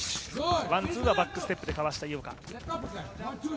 １、２はバックステップでかわした井岡。